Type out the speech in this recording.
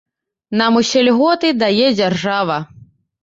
Нам усе льготы дае дзяржава.